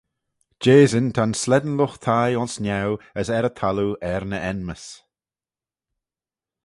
Jehsyn ta'n slane lught-thie ayns niau as er y thalloo er ny enmys.